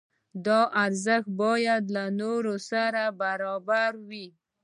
دا ارزښت باید له نورو سره برابر وي.